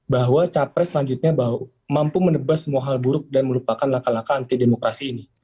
bahwa capres selanjutnya mampu menebas semua hal buruk dan melupakan laka laka anti demokrasi ini